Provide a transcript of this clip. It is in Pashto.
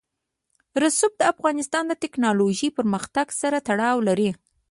رسوب د افغانستان د تکنالوژۍ پرمختګ سره تړاو لري.